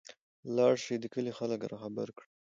لاړشى د کلي خلک راخبر کړى.